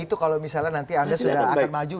itu kalau misalnya nanti anda sudah akan maju